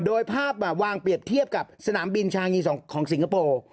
โดยภาพวางเปรียบเทียบกับสนามบินชางีของสิงคโปร์